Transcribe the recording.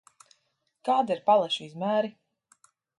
Kādi ir palešu izmēri?